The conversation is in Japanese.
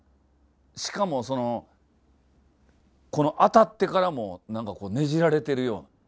しかもそのこの当たってからも何かこうねじられてるような。